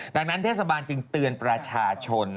ดังนั้นเทศบาลจึงเตือนประชาชน